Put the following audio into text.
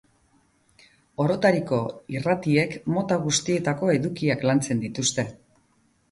Orotariko irratiek mota guztietako edukiak lantzen dituzte.